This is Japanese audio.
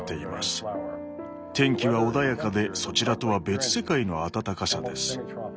天気は穏やかでそちらとは別世界の暖かさです。